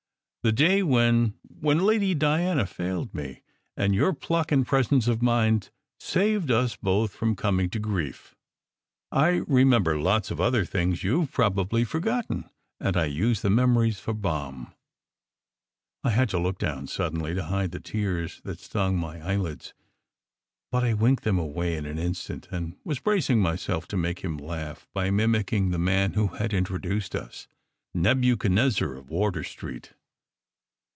The day when when Lady Diana failed me, and your pluck and presence of mind saved us both from coming to grief. I remember lots of other things you ve probably forgotten; and I use the memories for balm." I had to look down suddenly to hide the tears that stung my eyelids. But I winked them away in an instant, and was bracing myself to make him laugh by mimicking the man who had introduced us : Nebuchadnezzar of Wardour Street.